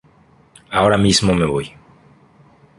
Ahora mismo me voy".